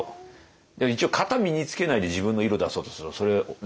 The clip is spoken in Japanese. でも一応型身につけないで自分の色出そうとするとそれね。